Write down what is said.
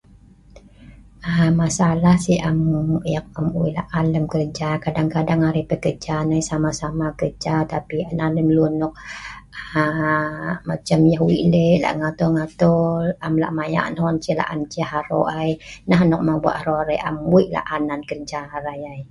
haa masalah sik am emm ek am weik la'an lem kerja kadang kadang arai mei kerja nei sama sama kerja tapi nan lem lun nok aaa macam yeh weik lek lak ngatur ngatur am lak mayak non sik la'an ceh arok ai neh nok mawa' arok arai am weik la'an nan kerja arai ai